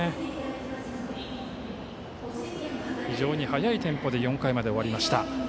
非常に速いテンポで４回まで終わりました。